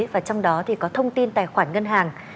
và trong đó thì có thông tin